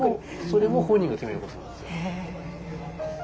それも本人が決めることなんですよ。